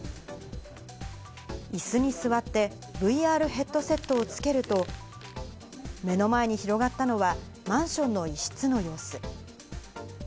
いすに座って、ＶＲヘッドセットをつけると、目の前に広がったのはマンションの一室の様子。